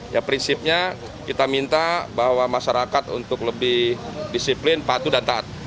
ya prinsipnya kita minta bahwa masyarakat untuk lebih disiplin patuh dan taat